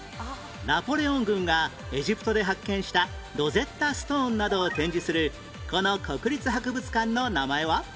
ナポレオン軍がエジプトで発見したロゼッタ・ストーンなどを展示するこの国立博物館の名前は？